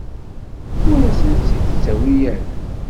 Ur asen-tt-id-ttawi ara.